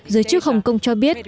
giới chức hồng kông cho biết